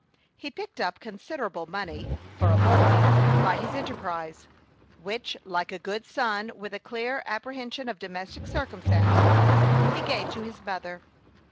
He picked up considerable money, for a boy, by his enterprise, which, like a good son, with a clear apprehension of domestic circumstances, he gave to his mother.